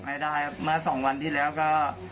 ให้ได้เมื่อสองวันที่แล้วก็